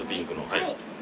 はい。